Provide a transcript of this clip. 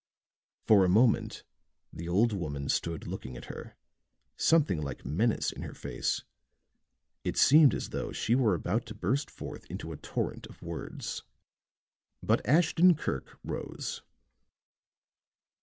For a moment the old woman stood looking at her, something like menace in her face; it seemed as though she were about to burst forth into a torrent of words. But Ashton Kirk rose.